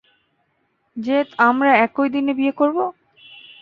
যে আমরা একই দিনে বিয়ে করবো।